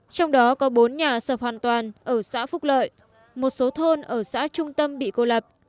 trong đó có bốn nhà sập hoàn toàn ở xã phúc lợi một số thôn ở xã trung tâm bị cô lập